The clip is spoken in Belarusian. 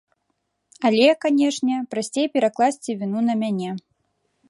Але, канешне, прасцей перакласці віну на мяне.